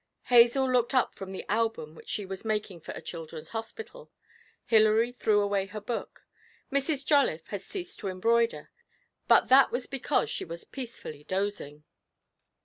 Hazel looked up from the album which she was making for a children's hospital, Hilary threw away her book, Mrs. Jolliffe had ceased to embroider, but that was because she was peacefully dozing.